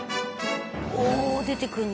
おお出てくるんだ。